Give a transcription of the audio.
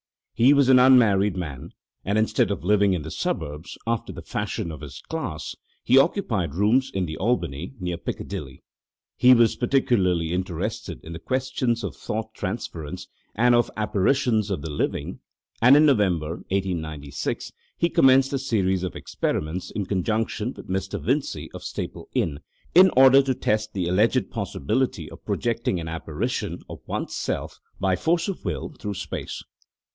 He was an unmarried man, and instead of living in the suburbs, after the fashion of his class, he occupied rooms in the Albany, near Piccadilly. He was particularly interested in the questions of thought transference and of apparitions of the living, and in November, 1896, he commenced a series of experiments in conjunction with Mr. Vincey, of Staple Inn, in order to test the alleged possibility of projecting an apparition of one's self by force of will through space.